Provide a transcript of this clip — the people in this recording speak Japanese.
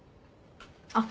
あっ